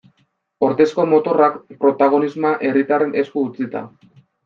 Ordezko motorrak, protagonismoa herritarren esku utzita.